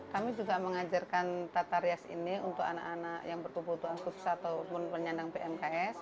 kami juga mengajarkan tata rias ini untuk anak anak yang bertubuh tuang kursus atau penyandang pmks